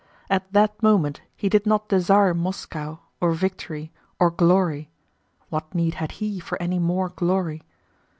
At that moment he did not desire Moscow, or victory, or glory (what need had he for any more glory?).